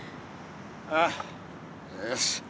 ああよし。